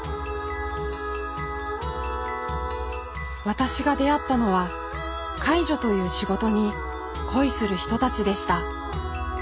私が出会ったのは介助という仕事に恋する人たちでした。